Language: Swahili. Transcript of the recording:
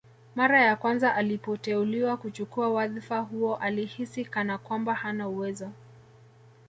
Mara ya kwanza alipoteuliwa kuchukua wadhfa huo alihisi kana kwamba hana uwezo